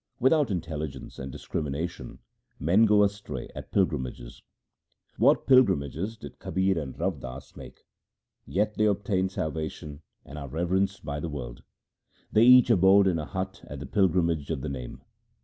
Without intelligence and discrimination men go astray at pilgrimages. What pilgrimages did Kabir and Rav Das make ? Yet they obtained salvation and are reverenced by the world. They each abode in a hut at the pil grimage of the Name.